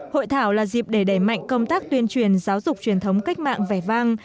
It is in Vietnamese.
hội thảo là dịp để đẩy mạnh công tác tuyên truyền giáo dục truyền thống cách mạng vẻ vang